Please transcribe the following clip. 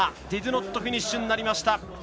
ディドゥノットフィニッシュになりました。